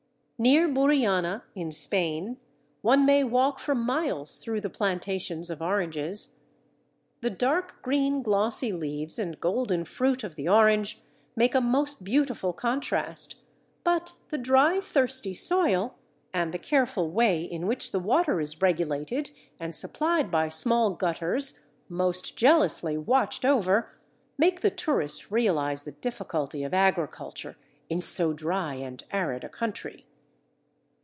Near Burriana, in Spain, one may walk for miles through the plantations of oranges. The dark green glossy leaves and golden fruit of the orange make a most beautiful contrast, but the dry, thirsty soil, and the careful way in which the water is regulated and supplied by small gutters, most jealously watched over, make the tourist realize the difficulty of agriculture in so dry and arid a country.